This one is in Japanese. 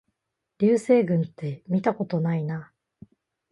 流星群ってみたことないな